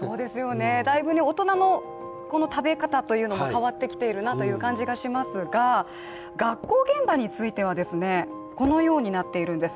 だいぶ大人も、この食べ方というのも変わってきているなという感じがしますが学校現場についてはこのようになっているんです。